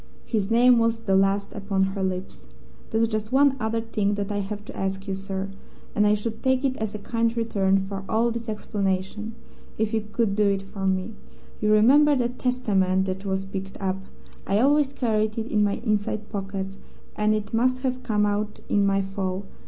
His name was the last upon her lips. "There's just one other thing that I have to ask you, sir, and I should take it as a kind return for all this explanation, if you could do it for me. You remember that Testament that was picked up. I always carried it in my inside pocket, and it must have come out in my fall.